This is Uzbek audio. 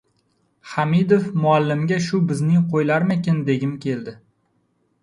Hamidov muallimga, shu bizning qo‘ylarmikin, degim keldi.